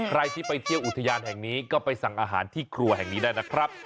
ใครที่ไปเที่ยวอุทยานแห่งนี้ก็ไปสั่งอาหารที่ครัวแห่งนี้ได้นะครับ